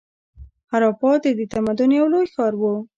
هراپا د دې تمدن یو لوی ښار و.